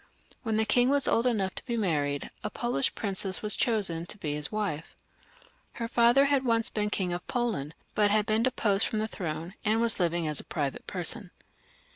When the king was old enough to be married, a Polish princess was chosen to be his wife. JHer father had once been king of Poland, but had been turned off the throne, and was living as a private person.